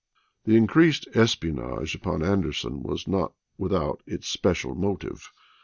The increased espionage upon Anderson was not without its special motive.